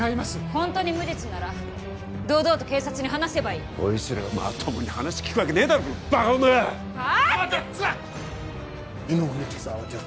ホントに無実なら堂々と警察に話せばいいこいつらがまともに話聞くわけねえだろこのバカ女が！バ！？